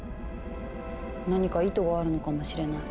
何か意図があるのかもしれない。